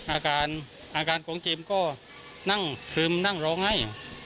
อาการสิ่งอาจารย์กองเตียมก็นั่งซื้มนั่งรองให้